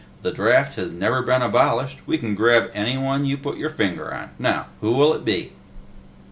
"The draft has never been abolished; we can grab anyone you put your finger on! Now, who will it be?"